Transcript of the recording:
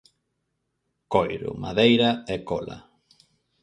Coiro, madeira e cola.